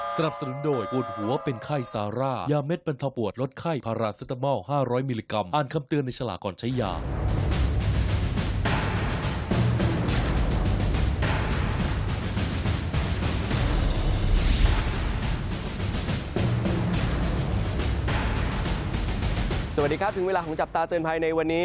สวัสดีครับถึงเวลาของจับตาเตือนภัยในวันนี้